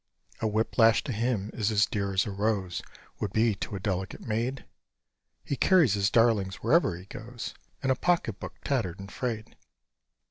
A whip lash to him is as dear as a rose Would be to a delicate maid; He carries his darlings wherever he goes, In a pocket book tattered and frayed.